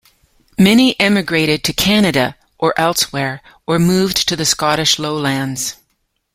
Many emigrated to Canada or elsewhere, or moved to the Scottish Lowlands.